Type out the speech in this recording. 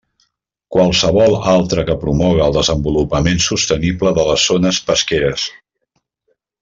Qualsevol altra que promoga el desenvolupament sostenible de les zones pesqueres.